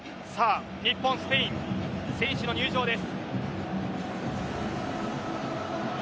日本、スペイン選手の入場です。